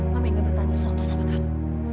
mama ingin bertanya sesuatu sama kamu